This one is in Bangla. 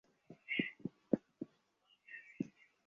তাঁদের বিরুদ্ধে অভিযোগ পড়ে শোনানো হলে তাঁরা নিজেদের নির্দোষ দাবি করেন।